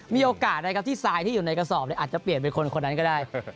มีโอกาสนะครับที่ทรายที่อยู่ในกระสอบอาจจะเปลี่ยนเป็นคนนั้นก็ได้